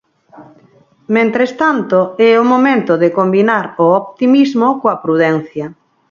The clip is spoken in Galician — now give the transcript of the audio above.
Mentres tanto, é o momento de combinar o optimismo coa prudencia.